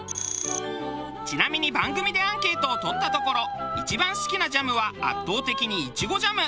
ちなみに番組でアンケートを取ったところ一番好きなジャムは圧倒的にイチゴジャム。